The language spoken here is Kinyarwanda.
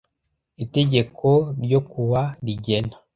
itegeko n ryo kuwa rigena